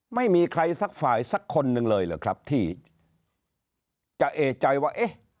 ไม่มีใครฝ่ายสักคนหนึ่งเลยที่จะเอ่ยใจว่า